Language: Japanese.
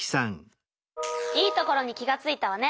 いいところに気がついたわね。